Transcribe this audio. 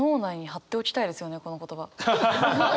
この言葉。